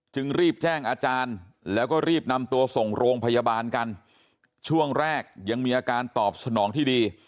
จึงรีบแจ้งอาจารย์แล้วก็รีบนำตัวส่งโรงพยาบาลกันช่วงแรกยังมีอาการตอบสนองที่ดี